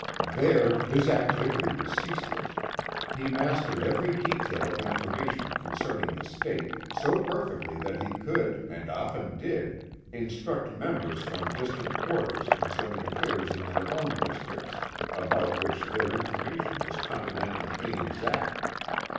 There his activity was ceaseless. He mastered every detail of information concerning the State, so perfectly that he could, and often did, instruct members from distant quarters concerning affairs in their own districts, about which their information was confidently inexact.